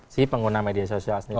si pengguna media sosial sendiri